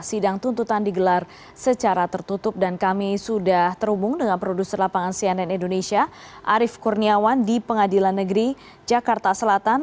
sidang tuntutan digelar secara tertutup dan kami sudah terhubung dengan produser lapangan cnn indonesia arief kurniawan di pengadilan negeri jakarta selatan